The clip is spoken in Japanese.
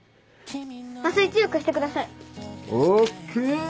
麻酔強くしてください。ＯＫ！